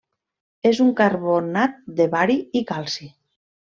És un carbonat de bari i calci.